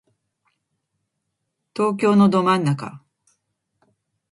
東京のど真ん中